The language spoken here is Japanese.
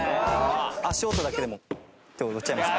足音だけでもって踊っちゃいます。